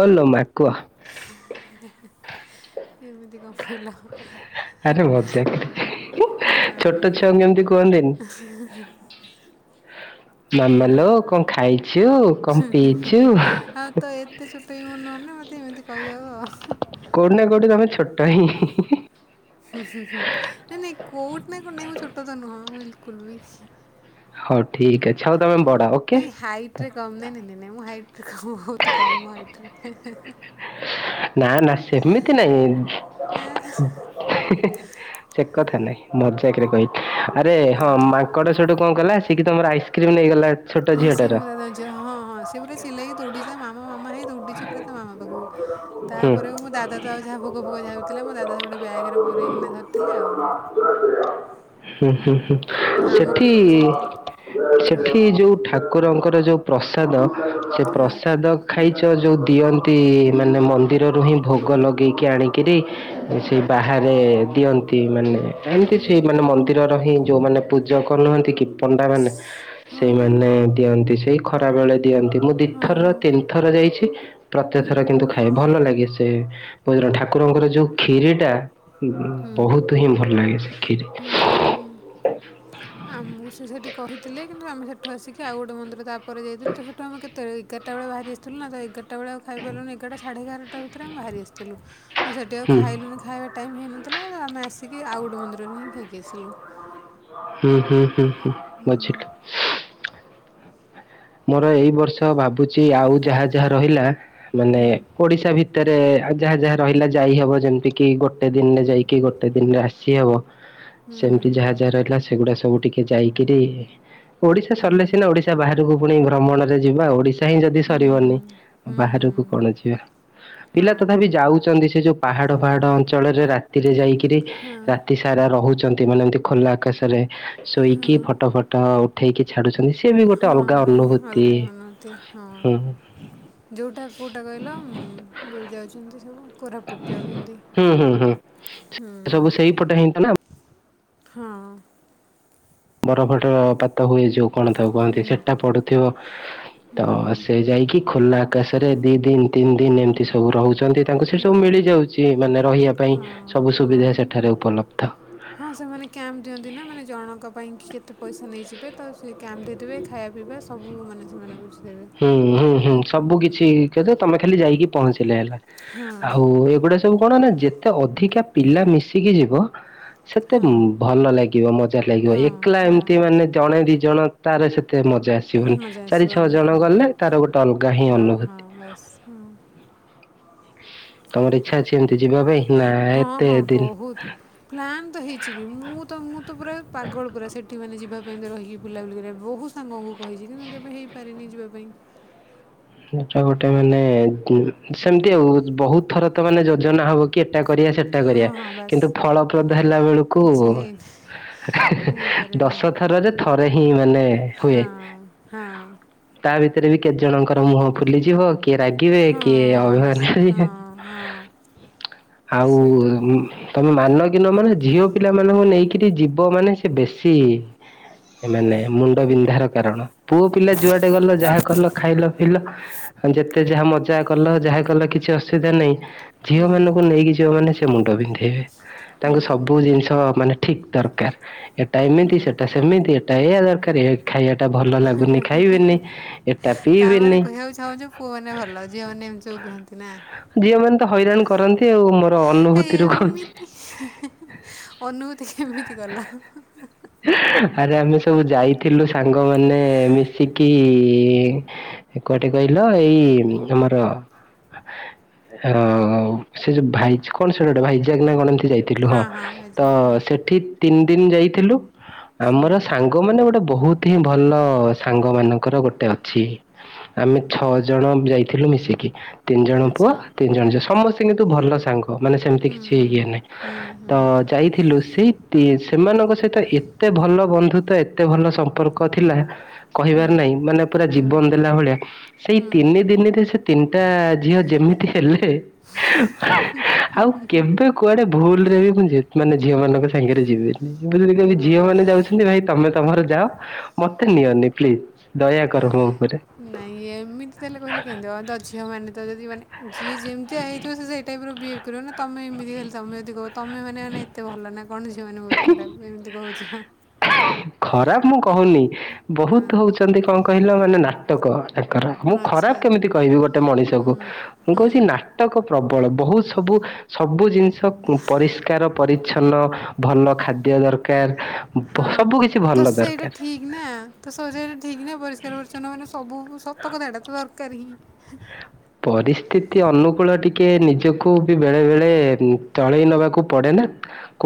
ଓଲୋ ମା କୁଅ। କେମି ଏମିତି କଣ କହିଲ ହଁ ଆରେ ମଜାକରେ ଛୋଟ ଛୁଆଙ୍କୁ ଏନତି କହନ୍ତିନି। ହ ମାମା ଲୋ କଣ ଖାଇଛୁ କଣ ପିଇଛୁ? ହଁ ତ ଏତେ ଛୁଟ ମୁ ନୁହ ନା ମତେ ଏମିତି କହିହବ ଆଉ। କୋଉଠି ନା କୋଉଠି ତମେ ଛୋଟ ହିଁ ହି। ହୁଁ ହୁଁ ହୁଁ ନାଇଁ ନାଇଁ କଉଠ ନାଇ କ ନାଇଁ ମୁଁ ଛୋଟ ତ ନୁହଁ ବିଲକୁଲ ବି। ହଉ ଠିକ୍ ଅଛ ହଉ ତମେ ବଡା ଓକେ। ହାଇଟ୍ ରେ କମ୍ ନାଇଁ ନ ନାଇ ନାଇଁ ମୁଁ ହାଇଟ୍ରେ କମ୍ ବହୁତ କମ୍ ମୋ ହାଇଟ୍ରେ ହେଁ ହେଁ। ନା ନା ସେମିତି ନାଇଁ। ସେ କଥା ନାଇଁ ମଜାକରେ କହି ଆରେ ହଁ ମା କଟ ସଟ କଣ କଲା ସି କିି ତମର ଆଇସ୍କ୍ରିମ୍ ନେଇଗଲା ଛୋଟ ହଁ ସେଇ ଝିଅଟାର ମୋ ଦା ହଁ ହଁ ସେ ପୁରା ଚିଲେଇକି ଦୌଡ଼ିଛି ମାମା ମାମା ହିଁ ଦୌଡ଼ିଛି ପୁରା ତା ମାମା ପାଖକୁ। ହୁଁ ତାପରେ ମୋ ଦାଦା ତ ଆଉ ଯାହା ଭୋକ ଫୋଗ ଯାବିଥିଲା ମୋ ଦା ସ ଗୋଟେ ବ୍ୟାଗରେ ପୁରଇକିନା ଧରିଥିଲେ ଆଉ। ହୁଁ ହୁଁ ହୁଁ ହଁ ଆମ ସେଠି ପାଖରେ କିଛି ନଥିଲା କୁହ ସେଠି ଯୋଉ ଠାକୁରଙ୍କର ଯୋଉ ପ୍ରସାଦ ସେ ହଁ ପ୍ରସାଦ ଖାଇଛ ଯେଉଁ ଦିଅନ୍ତି ମାନେ ମ ମନ୍ଦିରରୁ ହିଁ ଭୋଗ ଲଗାଇକି ଆଣିକିରି ସେ ବାହାରେ ଦିଅନ୍ତି। ମାନେ ଏମିତି ସେଇ ମାନେ ମନ୍ଦିରର ହିଁ ଯୋଉମାନେ ପୂଜକ ନୁହନ୍ତି କି ପଣ୍ଡା ମାନେ ହଁ ହଁ ସେଇମାନେ ଦିଅନ୍ତି ସେଇ ଖରା ବେଳେ ଦିଅନ୍ତି ମୁଁ ହଁ ଦିଥରର ହଁ ତିନିଥର ଯାଇଛି। ପ୍ରତେକ ଥର କିନ୍ତୁ ଖାଏ ଭଲ ଲାଗେ ସେ ଭଜ ଠାକୁରଙ୍କର ଯେଉ କ୍ଷିରିଟା ବହୁତ ହିଁ ଭଲ ଲାଗେ ସେ ଖିରି। ଆମକୁ ସେ ସେଠି କହିଥିଲେ କିନ୍ତୁ ଆମେ ସେଠୁ ଆସିକି ଆଉ ଗୋଟେ ମନ୍ଦିର ତାପରେ ଯାଇଥିଲୁ ତ ସେଠୁ ଆମେ କେତେବେଳେ ଏଗାରଟା ବେଳେ ବାହାରି ଆସିଥିଲୁ ନା ତ ଏଗାରଟା ଆଉ ଖାଇାରିଲୁ ଏଗାରଟା ସାଢ଼େ ଏଗାରଟା ଭିତରେମେ ବାହାରି ଆସିଥିଲୁ। ତ ସେଠି ଆଉ ହୁଁ ଖାଇଲୁନି ଖାଇବା ଟାଇମ୍ ହେଇନଥିଲା ଆମେ ଆସିକ ଆଉ ଗୋଟ ମନ୍ଦିରରେ ହିଁ ଖାଇକି ଆସିଲୁ। ହୁଁ ହୁଁ ହୁଁ ହୁଁ ବଝିଲି। ମୋର ଏଇ ବର୍ଷ ଭାବୁଛି ଆଉ ଯାହା ଯାହା ରହିଲା ମାନେ ଓଡ଼ିଶା ଭିତରେ ଯାହା ଯାହା ରହିଲା ଯାଇହବ ଯେମିତିକି ଗୋଟେ ଦିନରେ ଯାଇକି ଗୋଟେ ଦିନରେ ଆସିହବ। ହୁଁ ସେମିତି ଯାହା ଯାହା ରହିଲା ସେଗୁଡା ସବୁ ଟିକେ ଯାଇକିରି ଓଡିଶା ହୁଁ ସରିଲେ ସିନା ଓଡିଶା ବାହାରକୁ ପୁଣି ଭ୍ରମଣରେ ଯିବା ଓଡିଶା ଚାହିଁ ଯଦି ହୁଁ ସରିବନି ହୁଁ ହୁଁ ବାହାରକୁ କଣ ଯିବା। ପିଲା ହଁ ତଥାପି ଯାଉଛନ୍ତି ସେ ଯୋଉ ପାହାଡ ପାହାଡ ଅଞ୍ଚଳରେ ରାତିରେ ଯାଇକରି ରାତି ସାରା ରହୁଛନ୍ତି ମାନେ ଏମିତି ଖୋଲା ଆକାଶରେ ଶୋଇକି ଫଟୋ ଫଟ ଉଠେଇକି ଛାଡୁଛନ୍ତି ସେ ବି ଗୋଟେ ହଁ ଅଲଗା ହଁ ଅନୁଭୂତି ହଲଗାଇ ନତି ହଁ। ହୁଁ ଯେଉଁଟା କେଉଁଟା କହିଲ ଯାଉଛନ୍ତି ସବୁ କୋରା ପୁଟ ଦେଇାଉଛନ୍ତି ହୁଁ ହୁଁ ହୁଁ ହୁଁ। ସବୁ ସେଇପଟେ ହିଁ ତ ନା ହଁ। ବରଫର ପାତ ହୁଏ ଯୋଉ କଣ ଥାଉ କହନ୍ତି ସେଟା ପଡୁ ଥିବ ତ ହୁଁ ସେ ଯାଇକି ଖୋଲା ଆକାଶରେ ଦି ଦିନ ତିନି ଦିନ ଏମିତି ସବୁ ରହୁଛନ୍ତି ତାଙ୍କୁ ସେ ସବୁ ମିଳିଯାଉଛି ମାନେ ରହିବା ପାଇଁ ହଁ ସବୁ ହଁ ସୁବିଧା ସେଠାରେ ଉପଲବ୍ଧ। ହଁ ସେମାନେ କ୍ୟାମ୍ପ ଦିଅନ୍ତି ନା ମାନେ ଜଣଙ୍କ ପାଇଁ କି କେତେ ପଇସା ନେଇଯିବେ ତ ସେ କ୍ୟାମ୍ପ ଦେଇଦେବେ ଖାଇବା ପିଇବା ସବୁ ମାନେ ସେମାନେ ବୁଝ ହୁଁ ହୁଁ ହୁଁ ସବୁ କିଛି ତମେ ଖାଲି ଯାଇକି ପହଞ୍ଚିଲେ ହେଲା। ହଁ ଆଉ ଏଗୁଡା ସବୁ କଣ ନା ଯେତେ ଅଧିକା ପିଲା ମିଶିକି ଯିବ ସେତେ ହଁ ଭଲ ଲାଗିବ ମଜା ଲାଗିବ ହଁ ଏକଲା ହଁ ଏମତି ମାନେ ଜଣେ ଦି ଜଣ ତାର ସେତେ ମଜା ଆସିବନି ମଜା ଚାରି ଛଅ ଆସିବନି ଜଣ ହଁ ଗଲେ ତାର ଗୋଟେ ଅଲଗା ହିଁ ହଁ ହଁ ଅନୁଭୂତି। ବାସ୍ ହଁ। ତମର ଇଚ୍ଛା ଅଛି ଏମତି ଯିବା ପାଇଁ ନା ହଁ ଏତେ ହଁ ଦିନ ବହୁତ ପ୍ଲାନ୍ ତ ହେଇଛିିବି ମୁଁ ତ ମୁଁ ତ ପୁରା ପାଗଳ ପୁରା ସେଠି ମାନେ ଯିବା ପାଇଁ ତ ରହିକି ବୁଲା ବୁଲି କରିବା ବହୁତ ସାଙ୍ଗଙ୍କୁ କହିଛି କିନ୍ତୁ କେବେ ହେଇପାରିନି ଯିବା ପାଇଁ। ଟା ଗୋଟେ ମାନେ ସେମିତି ଆଉ ବହୁତ ଥର ତ ମାନେ ଯୋଜନା ହବ କି ଏଟା କରିବା ସେଟା ହଁ କରିବା ହଁ ବାସ୍ କିନ୍ତୁ ଫଳପ୍ରଦ ହେଲା ବେଳକୁ କିଛି କୁ ହେଇନି ହେଇପାରେନି ଦଶ ଥରରେ ଥରେ ହିଁ ମାନେ ହୁଏ। ହଁ ହଁ। ତା ଭିତରେ ବି କେତେ ଜଣଙ୍କର ମୁହଁ ଫୁଲିଯିବ କି କିଏ ରାଗିବେ କିଏ ହଁ ସ- ଅଭିମାନ ହଁ କରିବେ। ହଁ ଆଉ ସେଇଟା ତମେ ମାନ କି ନ ମାନ ଝିଅ ପିଲାମାନଙ୍କୁ ନେଇକିରି ଯିବ ମାନେ ସେ ବେଶୀ ମାନେ ମୁଣ୍ଡ ବିନ୍ଧାର କାରଣ ପୁଅ ପିଲା ଯୁଆଟେ ଗଲ ଯାହା କଲ ଖାଇଲ ଯେତେ ଯାହା ମଜା କଲ ଯାହା କଲ କିଛି ଅସୁବିଧା ନାହିଁ। ଝିଅ ହୁଁ ମାନଙ୍କୁ ନେଇକି ଝିଅ ମାନ ସେ ମୁଣ୍ଡ ପିନ୍ଧେଇବେ। ତାଙ୍କୁ ସବୁ ଜିନିଷ ମାନେ ଠିକ ଦରକାର ଏଟା ଏମିତି ସେଟା ସେମିତି ଏଟା ଏଇ ଦରକାର ଖାଇବାଟା ଭଲ ଲାଗୁନି ଖାଇବେନି ଏଟା ପିଇବେ ଛଛ ପୁଅ ମାନ ଭଲ ଝିଅ ମମାନେ ଏମି ସବୁ କୁହନ୍ତି ନା। ଝିଅ ମାନେ ତ ହଇରାଣ କରନ୍ତି। ଆଉ ମୋର ଅନୁଭୂତି ରୁ କହୁଛି। ହେ ହେ ହେ ଅନୁଭୂତି କେମିତି ଗଲା? [unintelligible] ଆରେ ଆମେ ସବୁ ଯାଇଥିଲୁ ସାଙ୍ଗମାନେ ମିଶିକି କୁଆଡେ କହିଲ ଏଇ ଆମର। ହ ସେ ଯୋଉ ଭାଇଚ କ'ଣ ସେଟା ଗୋଟେ ଭାଇଯାକ ନା କ'ଣ ଏତି ଯାଇ ଥିଲୁ ହଁ ତ ସେଠି ତିନି ଦିନ ଯାଇଥିଲୁ। ଆମର ହୁଁ ସାଙ୍ଗ ଗୋ ମାନେ ଗୋଟେ ବହୁତ ହିଁ ଭଲ ସାଙ୍ଗ ମାନଙ୍କର ଗୋଟେ ଅଛି। ଆମେ ଛଅ ଜଣ ଯାଇଥିଲୁ ମିଶିକି। ତିନି ଜଣ ପୁଅ ଆଚ୍ଛା ତିନି ଜଣ ଝିଅ ସମସ୍ତେ କିନ୍ତୁ ଭଲ ସାଙ୍ଗ। ମାନେ ସେମିତି ହୁଁ କିଛି ହୁଁ ଇଏ ନାଇଁ ହୁଁ ତ ହୁଁ ଯାଇଥିଲୁ। ସେ ତି ସେମାନଙ୍କ ସହିତ ଏତେ ଭଲ ବନ୍ଧୁତ ଏତେ ଭଲ ସମ୍ପର୍କ ଥିଲା। ହୁଁ କହିବାର ନାହିଁ ମାନେ ପୁରା ହୁଁ ଜୀବନ ଦେଲା ଭଳିଆ ସେଇ ହୁଁ ତିନି ଦିନିରେ ସେ ତିନିଟା ଝିଅ ଯେମିତି ହେଲେ ଆଉ କେବେ କୁଆଡେ ଭୁଲ ରେ ବି ମୁଁ ଯେ ମାନେ ଝିଅ ମାନଙ୍କ ସାଙ୍ଗରେ ଯିବିନି ବୁଝିଲେ ଏ କେବେ ଝିଅ ଭଗବାନ ମାନେ ଯାଉଚ। ଭାଇ ତମେ ତମର ଯାଅ ମତେ ନିଅନି ପ୍ଲିଜ ଦୟା କର ମୋ ଉପରେ ନାଇଁ ଏମିତି ତାହେଲେ କହିଲେ କେହିତି ଝିଅ ମାନେ ତ ଯଦି ମାନେ ଯିଏ ଯେମିତିଆ ହେଇଥିବ। ସେଇ ଟାଇପ ର ବେହେଭ କରିବା ନା ତମେ ଏମିତି ଖାଲି ତମେ ଯଦି କହ ତମେ ମାନେ ମାନେ ଏତେ ଭଲ ନା କ'ଣ ଝିଅମାନେ ବହୁତ ଖରାପ ଏମିତି କହୁଛ। ଖରାପ ମୁଁ କହୁନି ହଁ ବହୁତ ହଉଛନ୍ତି। କ'ଣ କହିଲ ମାନେ ନା ନାଟକ ତାଙ୍କର ମୁଁ ଆଚ୍ଛା। ଖରାପ କେମିତି କହିବି ଗୋଟେ ହୁଁ, ମଣିଷକୁ ମୁଁ ହୁଁ, କହୁଛି ନା ନାଟକ ପ୍ରବଳ ବହୁତ ସବୁ ସବୁ ଜିନିଷ ପରିଷ୍କାର ପରିଚ୍ଛନ୍ନ ଭଲ ଖାଦ୍ୟ ଦରକାର। ହଁ। ସବୁ କିଛି ତ ଭଲ ସେଇଟା ଦରକାର। ଠିକ୍ ନା ତ ସବୁ ଜାଗାରେ ଠିକ ନା ପରିକାର ପରିଚ୍ଛନ୍ନ ମାନେ ସବୁ ସତ କଥା ଏଇଟା ତ ଦରକାର ହିଁ। ପରିସ୍ଥିତି ଅନୁକୂଳ ଟିକେ ନିଜକୁ ବି ବେଳେ ବେଳେ ଚଳେଇ ନବାକୁ ପଡ଼େ ନା।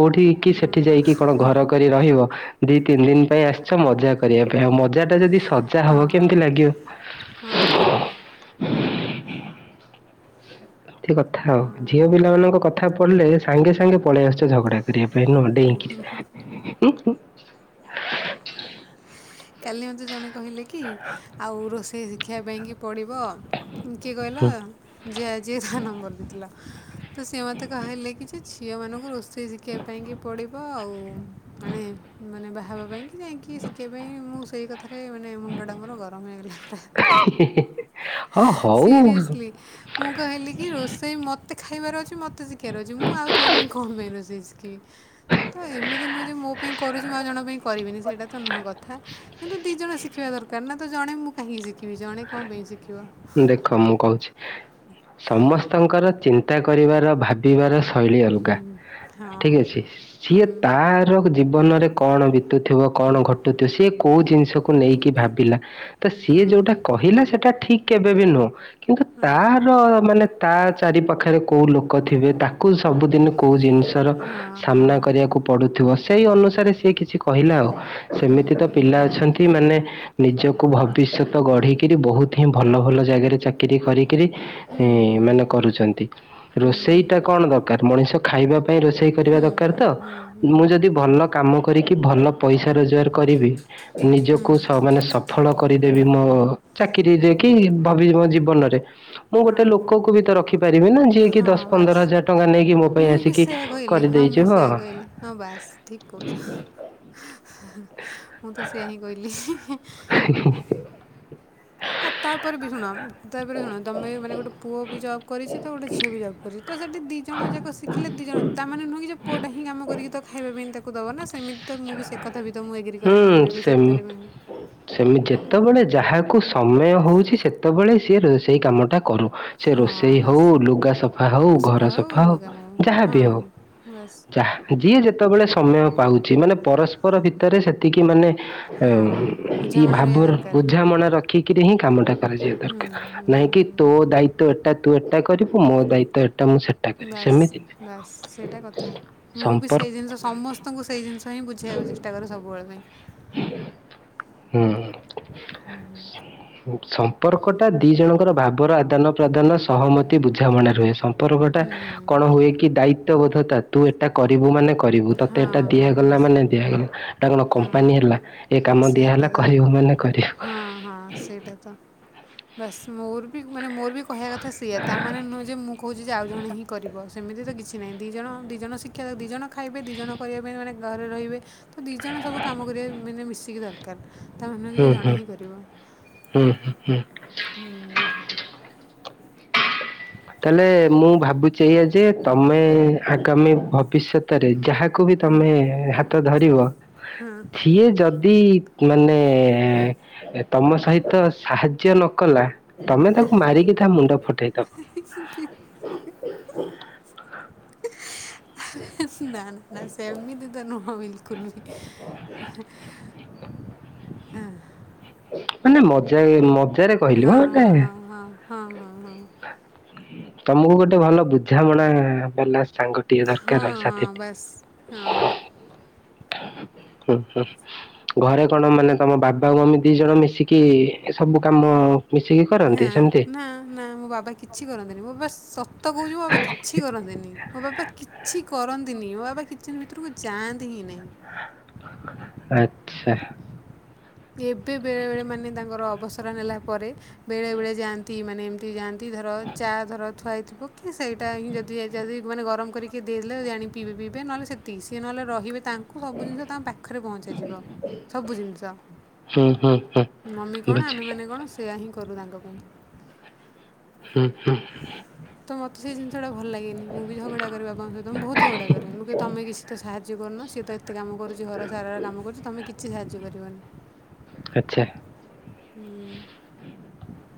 କୋଉଠି କି ହଁ, ସେଠି ଯାଇକି କ'ଣ ଘର କରି ରହିବ? ଦି ତିନି ଦିନ ପାଇଁ ଆସିଛ ମଜା କରିବା ପାଇଁ ଆଉ ମଜା ଟା ଯଦି ସଜା ହବ କେମତି ହଁ, ଲାଗିବ। ହଁ। [unintelligible] [unintelligible] ଏମିତି କଥା ଆଉ ଝିଅ ପିଲାମାନାନଙ୍କ କଥା ପଢିଲେ ସାଙ୍ଗେ ସାଙ୍ଗେ ପଳେଇ ଆସୁଛେ ଝଗଡା କରିବା ପାଇଁ ନୁହଁ। ଡେଇଁକିରି ହ [unintelligible] [unintelligible] କାଲି ମୋତେ ଜଣେ କହିଲେ କି ଆଉ ରୋଷେଇ ଶିଖିବା ପାଇଁକି। ପଡ଼ିବ କିଏ କହିଲ? ହୁଁ। ଯେ ଆଜି ତା ନମ୍ବର ଦେଇଥିଲା ତ ସିଏ ମତେ କହଲେ କିଛି [unintelligible] ଝିଅମାନଙ୍କୁ ରୋଷେଇ ଶିଖିବା ପାଇଁକି ପଡ଼ିବ ଆଉ ମାନେ ମାନେ ବାହା ହବା ପାଇଁକି। ଯାଇଥିଲି ସିକିବା ପାଇଁ ମୁଁ ସେଇ କଥା ତାପରେ ମୁଣ୍ଡଟା ମୋର ଗରମ ହେଇଗଲା ପୁରା ହଁ ହଉ ସିରିଅସ୍ଲି। ମୁଁ କହିଲି କି ରୋଷେଇ ମୋତେ ଖାଇବାର ଅଛି। ମୋତେ ଶିଖିବାର ଅଛି ମୁଁ ଆଉ କାହା ପାଇଁ କଣ ପାଇଁ ରୋଷେଇ ଶିଖିବି। ତ ଏମିତି ନୁହେଁ ଯେ ମୋ ପାଇଁ କରୁଚି ମୁଁ ଆଉ ଜଣଙ୍କ ପାଇଁ କରିବିନି ସେଇଟା ତ ନୁହଁ କଥା। ଥା କିନ୍ତୁ ଦି ଜଣ ଶିଖିବା ଦରକାର ନା ତ ଜଣେ ମୁଁ କାହିଁକି ଶିଖିବି ଜଣେ କଣ ପାଇଁ ଶିଖିବ। ଦେଖ ମୁଁ କହୁଛି ସମସ୍ତଙ୍କର ଚିନ୍ତା କରିବାର ଭା ପିବାର ଶୈଳୀ ହୁଁ, ଅଲଗା ହଁ ଠିକ ଅଛି ହୁଁ ସିଏ ତା ର ଜୀବନରେ କଣ ବି ଘଟୁଥିବ କଣ ଘଟୁଥିବ ସିଏ କୋଉଁ ଜିନିଷକୁ ନେଇକି ଭାବିଲା ତ ସିଏ ଯୋଉଁଟା କହିଲେ ସେଇଟା ଠିକ କେବେ ବି ନୁହଁ କିନ୍ତୁ ତାର ମାନେ ତା ଚାରି ପାଖରେ କୋଉଁ ଲୋକ ଥିବେ ତାକୁ ସବୁଦିନ କୋଉଁ ଜିନିଷର ହଁ ହଁ ସାମ୍ନା କରିବାକୁ ପଡୁଥିବ ସେଇ ଅନୁସାରେ ସିଏ କିଛି କହିଲା ଆଉ ହୁଁ ସେମିତି ତ ପିଲା ଅଛନ୍ତି ମାନେ ନିଜକୁ ଭବିଷ୍ୟତ ଗଢିକିରି ବହୁତ ହିଁ ଭଲ ଭଲ ଜାଗାରେ ଚାକିରି କରି କିରି ହୁଁ ଇଁ ମାନେ କରୁଚନ୍ତି ହୁଁ ହୁଁ ରୋଷେଇ ଟା କଣ ଦ କା ମଣିଷ ଖାଇବା ପାଇଁ ରୋଷେଇ କରିବା ହୁଁ ହୁଁ ହୁଁ ଦରକାର ତ ହୁଁ ହୁଁ ମୁଁ ଯଦି ଭଲ କାମ କରିକି ଭଲ ପଇସା ରୋଜଗାର କରିବି। ହୁଁ ନିଜକୁ ମାନେ ସଫଳ କରିଦେବି ମୋ ଚାକିରି କି ଭାବି ମୋ ଜୀବନରେ ମୁଁ ହଁ ଗୋଟେ ଲୋକକୁ ବି ତ ରଖିପାରିବି ନା ଯିଏକି ଦଶ ପନ୍ଦର ହଜାର ଟଙ୍କା ନେଇକି ମୋ ପାଇଁ ଆସିକି ସେୟଆ କହିଲି ହଁ ମୁଁ କରିଦେଇଯିବ ସେୟା କହିଲି ହଁ ବାସ୍ ଠିକ କହୁଚ। ମୁଁ ତ ସେୟା ହିଁ କହିଲି ହିଁ ହିଁ। [inaudible] ଆ ତାପରେ ବି ଶୁଣ ତାପରେ ଶୁଣ ତମେ ମାନେ ଗୋଟେ ପୁଅ ବି ଜବ୍ କରିଛି ତ ଗୋଟେ ଝିଅ ବି ଜବ୍ କରିଛି। ତ ସେଠି ଦିଇ ଜଣ ଯାକ ଶିଖିଲେ ଦିଇ ଜଣ ତାମାନେ ନୁହେଁ କି ଯେ ପୁଅଟା ହିଁ କାମ କରିକି ତ ଖାଇବା ପାଇଁ ତାକୁ ଦବ ନା ସେମିତି ତ ମୁଁ ବି ସେ କଥା ବି ତ ମୁଁ ଏଗ୍ରି କରେନି କେବେ ବି ସେତରେ ବି ମୁଁ ସେମିତି ଯେତେବେଳେ ଯାହାକୁ ସମୟ ହେଉଛି ସେତେବେଳେ ସିଏ ସେଇ କାମଟା କରୁ। ସେ ହଁ ରୋଷେଇ ବାସ୍ ହଉ ଲୁଗା ସଫା ହଉ ଘର ସଫା ହଉ ଯାହାବି ହଉ ହଁ ବାସ୍ ଯାହା ଯିଏ ଯେତେବେଳେ ସମୟ ପାଉଚି ମାନେ ପରସ୍ପର ଭିତରେ ସେତିକି ମାନେ ହଁ ଏଁ ଇଁ ବୁଝାମଣା ଭାବ ରହିବା ଦରକାର ବୁଝାମଣା ରଖିକିରି ହିଁ କାମ ଟା କରାଯିବା ଦରକାର। ନାଇଁ କିି ତୋ ଦାୟିତ୍ଵ ଏଟା ତୁ ଏଟା କରିବୁ ମୋ ଦାୟିତ୍ଵ ଏଟା ମୁଁ ସେଟା କରିବି ବାସ୍ ସେମିତି ନୁହେଁ। ବାସ୍ ସେଇଟା କଥା ମୁଁ ବି ସମ୍ପର୍କ ସେଇ ଜିନିଷ ସମସ୍ତେ ଙ୍କୁ ସେଇ ଜିନିଷ ହିଁ ବୁଝେଇବାକୁ ଚେଷ୍ଟା କରେ ସବୁବେଳେ ପାଇଁ। ହୁଁ। ହୁଁ। ସମ୍ପର୍କଟା ଦିଜଣଙ୍କର ଭାବର ଆଦାନ ପ୍ରଦାନ ସହମତି ବୁଝାମଣାରେ ହୁଏ ସ ସମ୍ପର୍କଟା ହୁଁ କଣ ହୁଏ କି ଦାୟିତ୍ୱବୋଧତା ତୁ ଏଟା କରିବୁ ମାନେ କରିବୁ ତତେ ହଁ ଏଟା ଦିଆ ହଁ ଗଲା ବାସ୍ ମାନେ ଦିଆଗଲା ଏଟା କଣ ହଁ କମ୍ପାନୀ ହେଲା ଏ କାମ ଦିଆ ସେଇଟା ହେଲା ତ କରିବୁ ମାନେ କରିବୁ। ହଁ ହଁ ସେଇଟା ତ ବାସ୍ ମୋର ବି ମାନେ ମୋର ବି କହିବା କଥା ସେଇଆ ତାମାନେ ନୁହେଁ ଯେ ମୁଁ କହୁଚି ଯେ ଆଉ ଜଣେ ହିଁ କରିବ। ସେମିତି ତ କିଛି ନାହିଁ ଦିଇ ଜଣ ଦିଇ ଜଣ ଶିକ୍ଷା ଦିଇ ଜଣ ଖାଇବେ ଦିଇ ଜଣ କରିବା ପାଇଁ ମାନେ ଘରେ ରହିବେ। ତ ଦୁଇ ଜଣ ସବୁ କାମ କରିବା ମାନେ ମିଶିକି ଦରକାର ତାମାନେ ନାହିଁ କି ହୁଁ ଯେ ହୁଁ। ଜଣେ ହିଁ କରିବ। ହୁଁ ହୁଁ ହୁଁ। ହୁଁ। ତାହାଲେ ମୁଁ ଭାବୁଚି ଏଇଆ ଯେ ତମେ ଆଗାମୀ ଭବିଷ୍ୟତରେ ଯାହା କୁ ବି ତମେ ହାତ ଧରିବ ସିଏ ଯଦି ଯଦି ମାନେ ତମ ସହିତ ସାହାଯ୍ୟ ନ କଲା ତମେ ତାକୁ ମାରିକି ତା ମୁଣ୍ଡ ଫଟେଇଦବ। [inaudible] ନା ନା ସେମିତି ତ ନୁହଁ ବିଲକୁଲ ବି ମାନେ ମଜା ମଜାରେ କହିଲି ହଁ ମ ମାନେ ହଁ ହଁ ହଁ ହଁ। ତମକୁ ଗୋଟେ ଭଲ ବୁଝାମଣା ବାଲା। ସାଙ୍ଗଟିଏ ହଁ ଦରକାର ଆଉ ହଁ ସାଥିଟିଏ। ବାସ୍ ହଁ ହୁଁ ହୁଁ। ଘରେ କଣ ମାନେ ତମ ବାବା ଆଉ ମମି ଦିଜଣ ମିଶିକି ସବୁ କାମ। ମିଶିକି ନା କରନ୍ତି ସେମିତି। ନା ନା ମୋ ବାବା କିଛି କରନ୍ତିନି ମୋ ବାବା ସତ କହୁଛି ମୋ ବାବା କିଛି କରନ୍ତିନି ମୋ ବାବା କି କିଛି କରନ୍ତିନି ମୋ ବାବା କିଚେନ୍ ଭିତରକୁ ଯାଆନ୍ତି ହିଁ ନାହିଁ। ଆଚ୍ଛା। ଏବେ ବେଳେବେଳେ ମାନେ ତାଙ୍କର ଅବସର ନେଲାପରେ ବେଳେବେଳେ ଯାଆନ୍ତି ମାନେ ଏମିତି ଯାଆ ତି ଧର ଚା ଧର। ଥୁଆ ହେଇଥିବ କି ସେଇଟା ହିଁ ଯଦି ଆ ଯଦି ମାନେ ଗରମ କରିକି ଦେଲେ ଆଣିକି ପିଇବେ ପିଇବେ ନହେଲେ ସେ ତିକୀ ସିଏ ନହେଲେ ରହିବେ ତାଙ୍କୁ ସବୁ ଜିନିଷ ତାଙ୍କ ପାଖରେ ପହଞ୍ଚାଯିବ ସବୁ ଜିନିଷ। ହୁଁ ହୁଁ ହୁଁ। ମମି କଣ ବୁଝିଲି। ଆମେମାନେ କଣ ସେୟା ହିଁ କରୁ ତାଙ୍କ ପାଇଁ। ହୁଁ ହୁଁ। ତ ମୋତେ ସେଇ ଜିନିଷଟା ଭଲ ଲାଗେନି ମୁଁ ବି ଝଗଡ଼ା କରେ ବାବାଙ୍କ ସହିତ ବହୁତ ଝଗଡ଼ା କରେ ମୁଁ କହେ ତମେ କିଛି ତ ସାହାଯ୍ୟ କରୁନ ସିଏ ତ ଏ କେତେ କାମ କରୁଚି ଘର ସାରାର କାମ କରୁଚି ତମେ କିଛି ସାହାଯ୍ୟ କରିବନି। ଆଚ୍ଛା। ହୁଁ। ହ [unintelligible]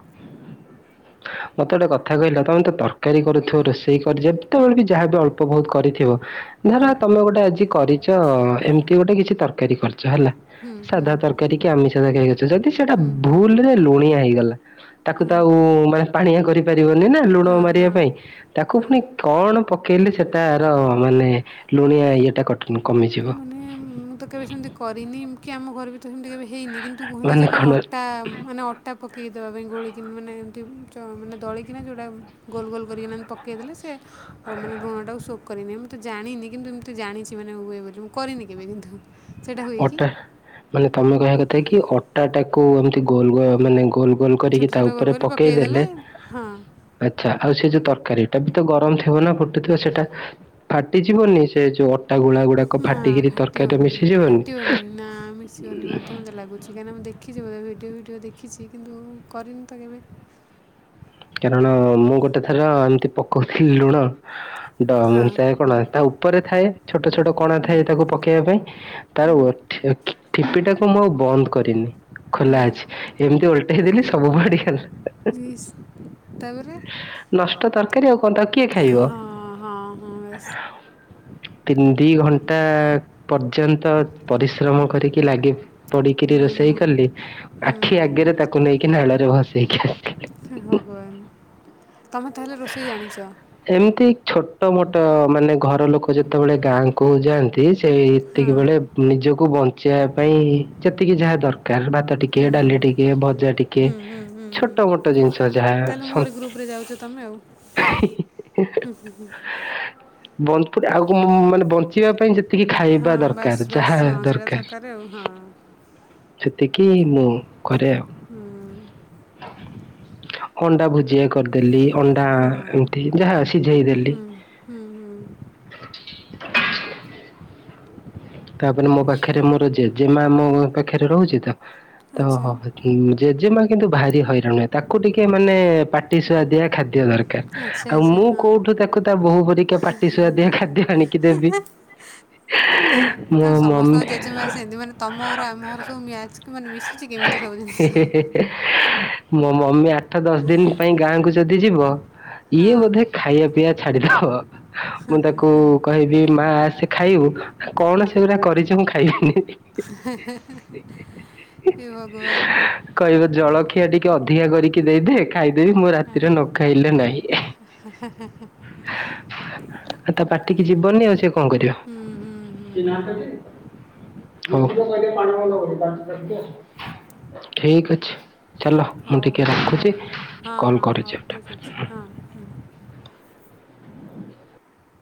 ମତେ ଗୋଟେ କ କଥା କହିଲ ତମେ ତରକାରୀ କରୁଥିବ ରୋଷେଇ କରି ଯେତେବେଳେ ବି ଯାହା ବି ଅଳ୍ପ ବହୁତ। କରିଥିବ ଧର ହୁଁ ତମେ ଗୋଟେ ଆଜି କରିଚ଼ ଏମିତି ଗୋଟେ କିଛି ତରକାରୀ କରିଛ ହେଲା। ହୁଁ ହୁଁ ସାଧା ତରକାରୀ କି ଆମିଷ ତରକାରୀ କରିଚ଼ ଯଦି ସେଇଟା ଭୁଲ ରେ ଲୁଣିଆ ହେଇଗଲା। ତାକୁ ତ ଆଉ ମାନେ ପାଣିଆ କରିପାରିବନି ନା ଲୁଣ ମାରିବା ପାଇଁ ତାକୁ ପୁଣି। କଣ ପକେଇଲେ ସେଟାର ମାନେ ଲୁଣିଆ ଇଏଟା କଟ କମିଯିବ ମାନେ ମୁଁ ତ କେବେ ସେମିତି କରିନି କି ଆମ ଘରେ ବି ତ ସେମିତି କେବେ ହେଇନି କିନ୍ତୁ କୁହନ୍ତି ଯେ କଣ ଅଟା ଉଁ ମାନେ ଅ ଅଟା ପକେଇ ଦେବା ପାଇଁ ଗୋଳେଇକି ମାନେ ଏମିତି ଉଁ ଚ ମାନେ ଦଳିକିନା ଯଉଟା ଗୋଲ ଗୋଲ କରିକିନା ଏମ ପ ପକେଇ ଦେଲେ ସିଏ ଅ ମାନେ ଲୁଣ ଟାକୁ ସୋକ କରିନିଏ ମୁଁ ତ ଜାଣିନି କିନ୍ତୁ ଏମିତି ଜାଣିଛି ମାନେ ହୁଏ ବୋ ମୁଁ କରିନି କେବେ କିନ୍ତୁ। କି ଅଟା ମାନେ ତମେ କହିବା କଥା କି ଅଟା ଟାକୁ ଏମିତି ଗୋଲ ଗୋ ମାନେ ଗୋଲ। ଗୋଲ ଛୋଟ କରିକି ତା ଛୋଟ ଗୋଲ ଉପରେ କରି ପକାଇଦେଲେ ପକେଇଦେଲେ। ହଁ ଆଚ୍ଛା ଆଉ ସେଇ ଯୋଉ ତରକାରୀ ଟା ବି ତ ଗରମ ଥିବ ନା ଫୁଟୁଥିବ ସେଇଟା। ଫାଟିଯିବନି ସେ ଯୋଉ ଅଟା ଗୁଳା ଗୁଡାକ ନା ଫାଟିକିରି ତରକାରୀରେ ମିଶିଯିବନି। ଯିବନି ବୋଧେ ମତେ ଲାଗୁଛି କାହିଁକି ନା ମୁଁ ଦେଖିଛି [unintelligible] ଭିଡ଼ିଓ ଫିଡ଼ିଓ ଦେଖିଛି କିନ୍ତୁ କରିନି ତ କେବେ। କାରଣ ମୁଁ ଗୋଟେ ଥର ଏମିତି ପକଉଥିଲି ଲୁଣ। ଡ ହଁ ଥାଏ କଣ ତା ଉପରେ ଥାଏ ଛୋଟ ଛୋଟ କଣା ଥାଏ ତାକୁ ପକେଇବା ପାଇଁ ହୁଁ ତାର ଉ ଠେକି ଠିପି ଟାକୁ ମୁଁ ଆଉ ବନ୍ଦ କରିନି ଖୋଲା ଅଛି ହୁଁ ଏମିତି ଓଲଟେଇ ଦେଲି ସବୁ ପଡିଗଲା ହେ ହେ। ଇସ୍। ତାପରେ। ନଷ୍ଟ ତରକାରୀ ଆଉ କଣ ତାକୁ କିଏ ଖାଇବ? ହଁ ହଁ ହଁ ବାସ୍ ତିନ ଦି ଘଣ୍ଟା ପର୍ଯ୍ୟନ୍ତ ପରିଶ୍ରମ କରିକି ଲାଗି। ପଡିକିରି ହୁଁ ରୋଷେଇ କଲି ହୁଁ ଆଖି ଆଗରେ ତାକୁ ନେଇକି ନାଳରେ ଭସେଇକି ଆଇଲି। ହେ ଭଗବାନ୍ ତମେ ତାହେଲେ ରୋଷେଇ ଜାଣିଚ଼। ଏମିତି ଛୋଟ ମୋଟ ମାନେ ଘର ଲୋକ ଯେତେବେଳେ ଗାଁ କୁ ଯାଆ ନ୍ତି ହଁ ସେତିକି ବେଳେ ଉଁ ନିଜକୁ ବଞ୍ଚେଇବା ପାଇଁ ଯେତିକି ଯାହା ଦରକାର ଭାତ ଟିକେ ଡାଲି ଟିକେ ଭଜା ଟିକେ ହୁଁ ହୁଁ ହୁଁ ହୁଁ ଛୋଟ ମୋଟ ଜିନିଷ ଯାହା ତାହେଲେ ସନ। ମୋରି ଗ୍ରୁପରେ ଯାଉଛ ତମେ ଆଉ ହେ ହେ ହେ ହେ ହେ ହେ ବନଫୁଟା ଆଉ ମୁଁ ମୁଁ ମାନେ ବଞ୍ଚିବା ପାଇଁ ଯେ ଟିକେ ହଁ ଖାଇବା ବାସ୍ ଦରକାର ବାସ୍ ଯାହା ହଁ ସେଇଟା ଦରକାର। ଆଉ ହଁ ସେତିକି ମୁଁ କରେ ଆଉ। ହୁଁ। ଅଣ୍ଡା ଭୁଜିଆ କରିଦେଲି। ଅଣ୍ଡା ହଁ ଏମିତି ଯାହା ସିଝେଇ ଦେଲି ହୁଁ ହୁଁ ହୁଁ। ତାପରେ ମୋ ପାଖରେ ମୋର ଜେଜେମା ମୋ ପାଖରେ ରହୁଚି ତ ତ ଆଚ୍ଛା ହି ଜେଜେମା କିନ୍ତୁ ଭାରି ହଇରାଣ ହୁଏ। ତାକୁ ଟିକେ ମାନେ ପାଟି ଶୁଆଦିଆ ଖାଦ୍ୟ ଦର ଆଚ୍ଛା ଆଉ ଆଚ୍ଛା ମୁଁ ହଁ କୋଉଠୁ ତାକୁ ତା ବୋହୂ ପରିକା ପାଟି ସୁୁଆଦିଆ ଖାଦ୍ୟ ଆଣିକି ଦେବି? [inaudible] କାରଣ ମମି ସମସ୍ତଙ୍କ ଜେଜେମା ସେମିତି। ମାନେ ତମ ଘର ଆମ ଘର ସବୁ ମ୍ୟାଚ୍ କି ମାନେ ମିଶୁଚି କେମିତି ସବୁ ଜିନିଷ। ମୋ ମମି ଆଠ ଦଶ ଦିନ ପାଇଁ ଗାଁକୁ ଯଦି ଯିବ ଇଏ ବୋଧେ ହଁ ଖାଇବା ପିଇବା ଛାଡିଦବ। ମୁଁ ତାକୁ କହିବି ମା ଆସେ ଖାଇବୁ। କଣ ସେ ସେଗୁରା କରିଚ ମୁଁ ଖାଇବିନି। ଏ ଭଗବାନ କହିବ ଜଳଖିଆ ଟିକେ ଅଧିକା କରିକି ଦେଇଦେ ଖାଇଦେବି ମୁଁ ହଁ। ରାତିରେ ନ ଖାଇଲେ ନାହିଁ। ହୁଁ ଆଉ ତା ପାଟିକି ହୁଁ। ହୋଉ। ଠିକ୍ ଅଛି ଚାଲ ମୁଁ ହଉ ଟିକେ ହଉ ରଖୁଚି। ହଁ କଲ ହଁ ହଉ କରୁଚି ଠିକ୍ ଅଛି ଏପଟେ। ହଁ ହୁଁ